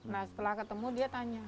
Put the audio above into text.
nah setelah ketemu dia tanya